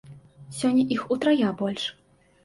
Сёння іх утрая больш.